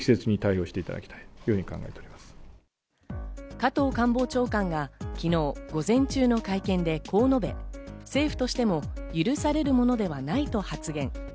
加藤官房長官が昨日午前中の会見でこう述べ、政府としても許されるものではないと発言。